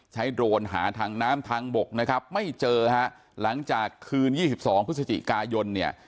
โดรนหาทางน้ำทางบกนะครับไม่เจอฮะหลังจากคืน๒๒พฤศจิกายนเนี่ย